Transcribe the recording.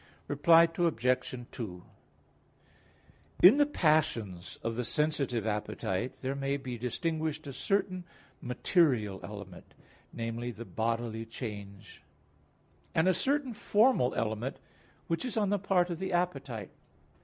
Reply Obj. 2: In the passions of the sensitive appetite there may be distinguished a certain material element namely, the bodily change and a certain formal element, which is on the part of the appetite.